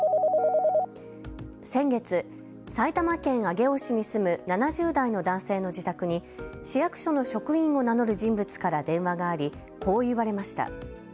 先月、埼玉県上尾市に住む７０代の男性の自宅に市役所の職員を名乗る人物から電話があり、こう言われました。